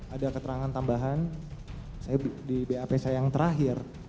ada keterangan tambahan di bap saya yang terakhir